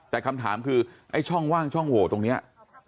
แต่คำถามคือไอ้ช่องว่างช่องโหวตรงนี้